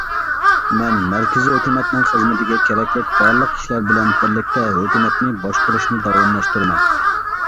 مەن مەركىزى ھۆكۈمەتنىڭ خىزمىتىگە كېرەكلىك بارلىق كىشىلەر بىلەن بىرلىكتە ھۆكۈمەتنى باشقۇرۇشنى داۋاملاشتۇرىمەن.